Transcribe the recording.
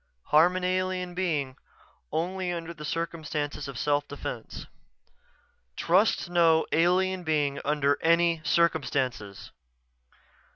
_ Harm an alien being only under circumstances of self defense. _TRUST NO ALIEN BEING UNDER ANY CIRCUMSTANCES.